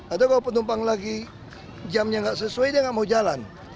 atau kalau penumpang lagi jamnya nggak sesuai dia nggak mau jalan